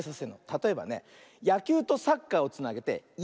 たとえばね「やきゅう」と「サッカー」をつなげて「ヤッカー」。